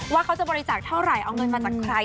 ว่าเขาจะบริจาคเท่าไหร่เอาเงินมาจากใคร